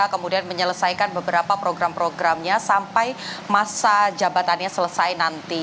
kemudian menyelesaikan beberapa program programnya sampai masa jabatannya selesai nanti